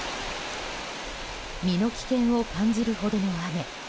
身の危険を感じるほどの雨。